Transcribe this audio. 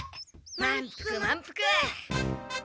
まんぷくまんぷく。